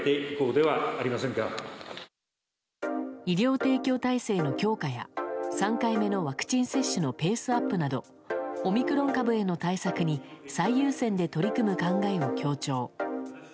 医療提供体制の強化や３回目のワクチン接種のペースアップなどオミクロン株への対策に最優先で取り組む考えを強調。